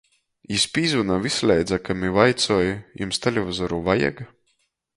Jis pīzvona vysleidza kam i vaicoj: Jums televizoru vajag?